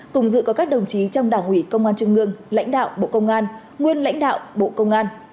cùng dự có các đồng chí trong đảng ủy công an trung ương lãnh đạo bộ công an nguyên lãnh đạo bộ công an